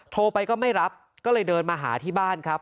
โทรไปก็ไม่รับก็เลยเดินมาหาที่บ้านครับ